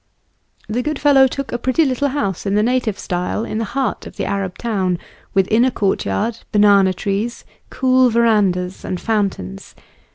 The good fellow took a pretty little house in the native style in the heart of the Arab town, with inner courtyard, banana trees, cool verandahs, and fountains.